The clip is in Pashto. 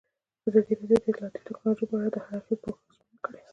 ازادي راډیو د اطلاعاتی تکنالوژي په اړه د هر اړخیز پوښښ ژمنه کړې.